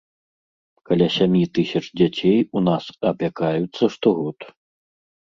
Каля сямі тысяч дзяцей у нас апякаюцца штогод.